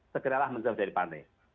segeralah menjauh dari pantai